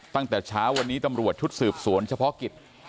ตั้งแต่เช้าวันนี้ตำรวจชุดสืบสวนเฉพาะกิจ